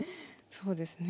そうですね。